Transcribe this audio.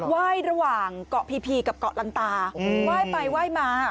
ไหว้ระหว่างเกาะพีพีกับเกาะลันตาไหว้ไปไหว้มา